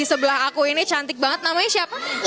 di sebelah aku ini cantik banget namanya siapa